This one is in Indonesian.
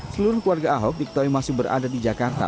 seluruh keluarga ahok diketahui masih berada di jakarta